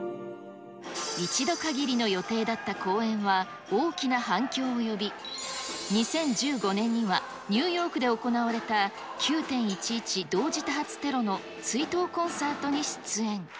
一度かぎりの予定だった公演は大きな反響を呼び、２０１５年にはニューヨークで行われた９・１１同時多発テロの追悼コンサートに出演。